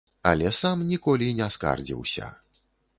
Але сам ніколі не скардзіўся.